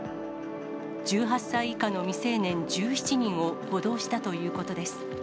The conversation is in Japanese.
１８歳以下の未成年１７人を補導したということです。